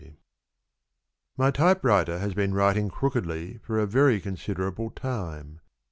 MY typewriter has been writing crookedly For a very considerable time.